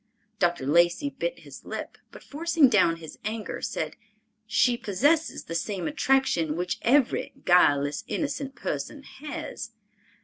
Dr. Lacey bit his lip, but forcing down his anger said, "She possesses the same attraction which every guileless, innocent person has."